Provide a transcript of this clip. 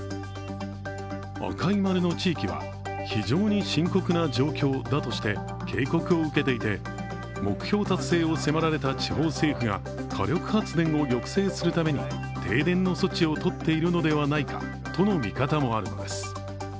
赤い丸の地域は非常に深刻な状況だとして警告を受けていて、目標達成を迫られた地方政府が火力発電を抑制するために停電の措置をとっているのではないかとの見方もあるのです。